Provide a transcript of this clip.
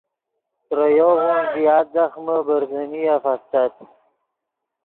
ترے یوغون زیات ځخمے برزنیف استت